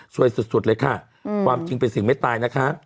สุดเลยค่ะความจริงเป็นสิ่งไม่ตายนะคะ